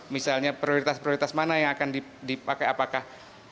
misalnya prioritas prioritas mana yang akan dipakai apakah